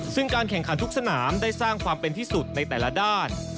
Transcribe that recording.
ซึ่งการแข่งขันทุกสนามได้สร้างความเป็นที่สุดในแต่ละด้าน